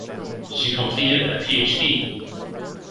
She completed a Ph.D.